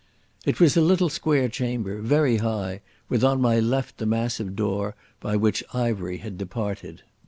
It was a little square chamber, very high, with on my left the massive door by which Ivery had departed.